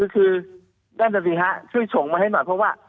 คือนั่นแหละสิฮะช่วยส่งมาให้หน่อยเพราะว่า